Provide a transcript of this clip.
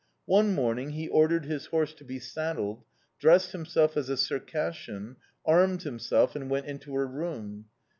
One morning he ordered his horse to be saddled, dressed himself as a Circassian, armed himself, and went into her room.